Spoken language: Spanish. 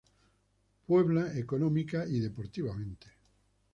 Puebla económica y deportivamente.